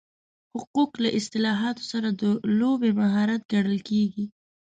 حقوق له اصطلاحاتو سره د لوبې مهارت ګڼل کېږي.